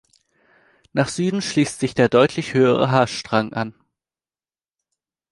Nach Süden schließt sich der deutlich höhere Haarstrang an.